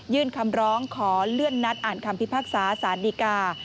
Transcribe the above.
คำร้องขอเลื่อนนัดอ่านคำพิพากษาสารดีกา